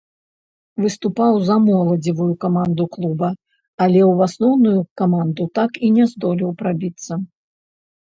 Выступаў за моладзевую каманду клуба, але ў асноўную каманду так і не здолеў прабіцца.